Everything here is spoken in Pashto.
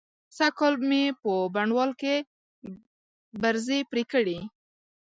سږکال مې په بڼوال کې برځې پرې کړې.